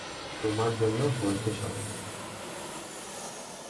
তোমার জন্য হয়েছে সব।